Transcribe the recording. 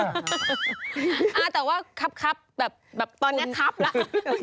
อ่าแต่ว่าคับคับแบบตอนนี้คับแล้ว